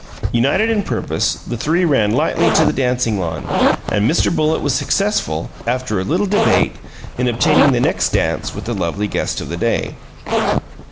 United in purpose, the three ran lightly to the dancing lawn, and Mr. Bullitt was successful, after a little debate, in obtaining the next dance with the lovely guest of the day.